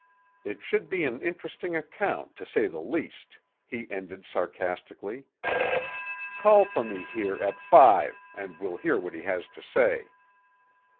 It should be an interesting account, to say the least," he ended sarcastically. "Call for me here at five and we'll hear what he has to say."